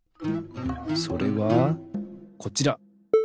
それはこちら！